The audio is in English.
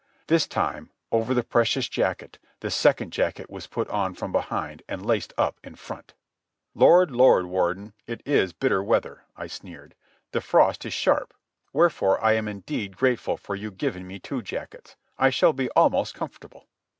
This time, over the previous jacket, the second jacket was put on from behind and laced up in front. "Lord, Lord, Warden, it is bitter weather," I sneered. "The frost is sharp. Wherefore I am indeed grateful for your giving me two jackets. I shall be almost comfortable."